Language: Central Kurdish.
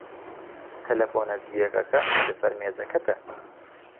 تەلەفۆنە زیرەکەکە لەسەر مێزەکەتە.